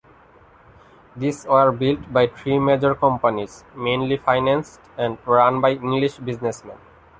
These were built by three major companies, mainly financed and run by English businessmen.